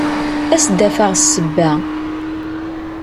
Ad s-d-afeɣ ssebba.